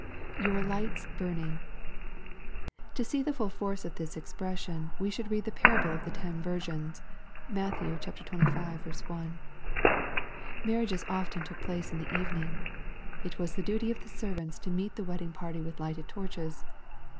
[ Your lights burning.] To see the full force of this expressioni we should read the parable of the ten virgins. (Matt. xxv. 1.) Marriages often took place in the evening. It was the duty of the servants to meet the wedding party with lighted torches.